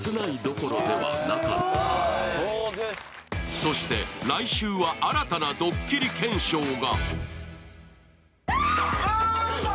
そして、来週は新たなドッキリ検証が。